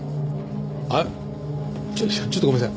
あっちょっとごめんなさい。